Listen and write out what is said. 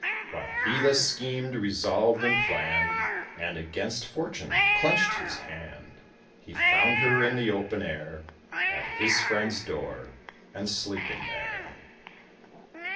While he thus schemed, resolved, and planned, And against Fortune clenched his hand, He found her in the open air At his friend's door, and sleeping there.